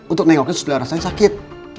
untuk nengoknya sudah rasanya sakit